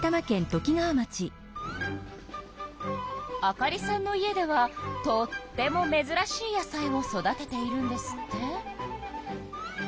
あかりさんの家ではとってもめずらしい野菜を育てているんですって。